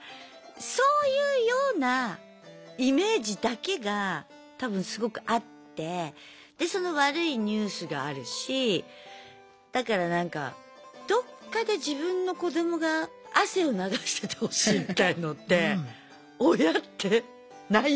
そういうようなイメージだけが多分すごくあってでその悪いニュースがあるしだからなんかどっかで自分の子どもが汗を流しててほしいみたいのって親ってない？